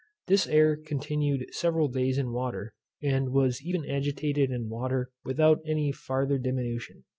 This air continued several days in water, and was even agitated in water without any farther diminution.